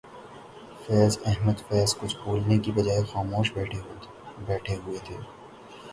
فیض احمد فیض کچھ بولنے کی بجائے خاموش بیٹھے ہوئے تھے